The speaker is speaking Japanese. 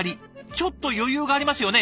ちょっと余裕がありますよね。